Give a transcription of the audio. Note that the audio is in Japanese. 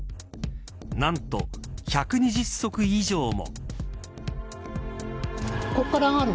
何と１２０足以上も。